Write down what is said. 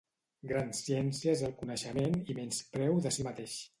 Gran ciència és el coneixement i menyspreu de si mateix.